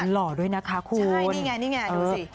โตไว้มากใช่นี่ไงนี่ไงดูสิหล่อด้วยนะคะคุณ